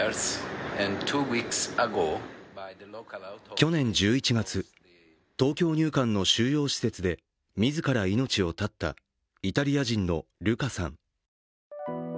去年１１月、東京入管の収容施設で自ら命を絶ったイタリア人のルカさん。